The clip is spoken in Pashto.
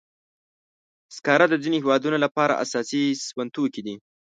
سکاره د ځینو هېوادونو لپاره اساسي سون توکي دي.